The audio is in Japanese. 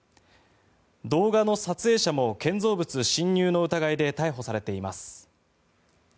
動画の撮影者も建造物侵入の疑いで逮捕されています。